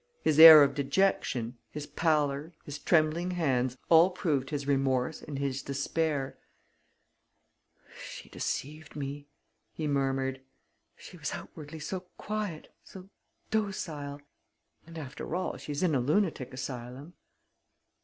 His air of dejection, his pallor, his trembling hands, all proved his remorse and his despair: "She deceived me," he murmured. "She was outwardly so quiet, so docile! And, after all, she's in a lunatic asylum."